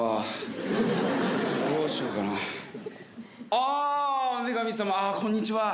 ああ女神様！ああこんにちは。